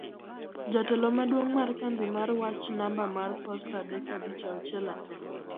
Jatelo Maduong' mar Kambi mar Wach namba mar posta adek abich auchiel ang'we